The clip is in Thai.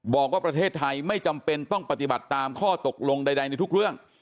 บอกว่าประเทศไทยไม่จำเป็นต้องปฏิบัติตามข้อตกลงใดในทุกเรื่อง